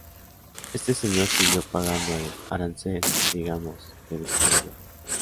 Este señor siguió pagando el arancel, digamos, de descubridor.